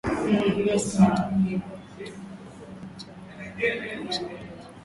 Rais Kenyatta mwenyeji wa mkutano wa wakuu wa nchi za umoja wa afrika mashariki